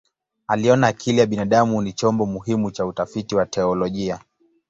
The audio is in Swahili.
Aliona akili ya binadamu ni chombo muhimu cha utafiti wa teolojia.